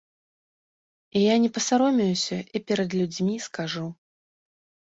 Я не пасаромеюся і перад людзьмі скажу.